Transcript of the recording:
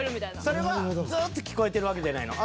それはずっと聞こえてるわけじゃないの？